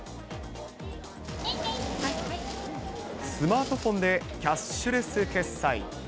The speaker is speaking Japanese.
スマートフォンでキャッシュレス決済。